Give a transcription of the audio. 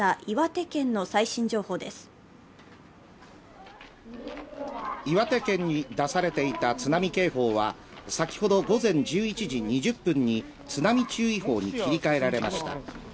岩手県に出されていた津波警報は先ほど午前１１時２０分に津波注意報に切り替えられました。